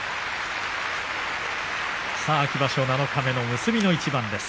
秋場所七日目結びの一番です。